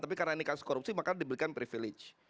tapi karena ini kasus korupsi maka diberikan privilege